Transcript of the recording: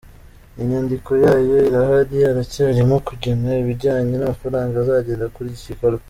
"Inyandiko yayo irahari, haracyarimo kugena ibijyanye n’amafaranga azagenda kuri iki gikorwa.